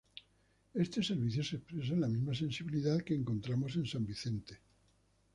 Este servicio se expresa en la misma sensibilidad que encontramos en san Vicente.